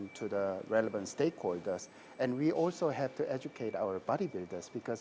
betul pembinaan bus atau truk elektrik juga memerlukan teknologi dan peralatan baru